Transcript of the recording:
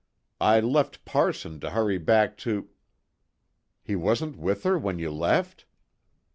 I left parson to hurry back to " "He wasn't with her when you left?"